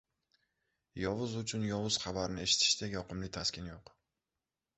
Yovuz uchun yovuz xabarni eshitishdek yoqimli taskin yo‘q.